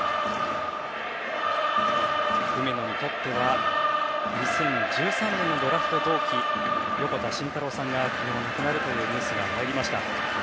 梅野にとっては２０１３年のドラフト同期横田慎太郎さんが亡くなるというニュースがありました。